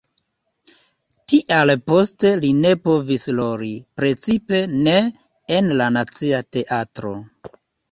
Tial poste li ne povis roli, precipe ne en la Nacia Teatro.